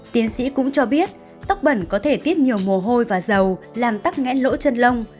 tiến sĩ cũng cho biết tóc bẩn có thể tiết nhiều mồ hôi và dầu làm tắc nghẽn lỗ chân lông